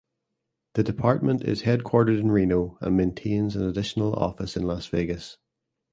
The department is headquartered in Reno and maintains an additional office in Las Vegas.